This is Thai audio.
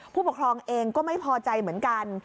ผู้ปกครองเองก็ไม่พอใจเหมือนกัน